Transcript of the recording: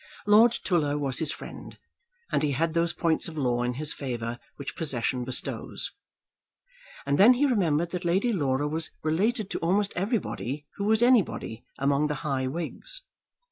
Lord Tulla was his friend, and he had those points of law in his favour which possession bestows. And then he remembered that Lady Laura was related to almost everybody who was anybody among the high Whigs.